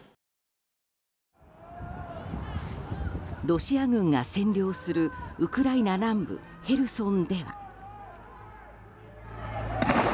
ロシア軍が占領するウクライナ南部ヘルソンでは。